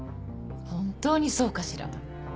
本当にそうかしら？